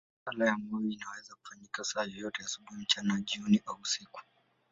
Sala ya moyo inaweza kufanyika saa yoyote, asubuhi, mchana, jioni au usiku.